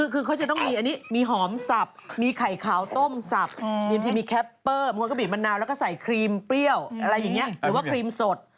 เขาจะมีหอมสับใบขาวต้มสับสดเข้อกีบมะนาวแล้วก็ใส่ครีมเปรี้ยวอะไรอย่างเนี่ยรู้ว่าครีมสด